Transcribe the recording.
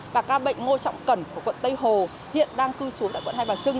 và ca bệnh ngô trọng cẩn của quận tây hồ hiện đang cư trú tại quận hai bà trưng